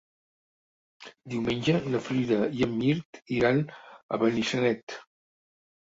Diumenge na Frida i en Mirt iran a Benissanet.